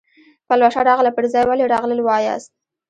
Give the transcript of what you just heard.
پلوشه راغله پر ځای ولې راغلل وایاست.